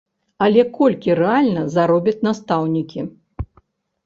Але колькі рэальна заробяць настаўнікі?